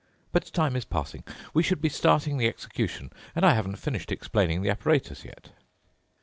But time is passing. We should be starting the execution, and I haven't finished explaining the apparatus yet."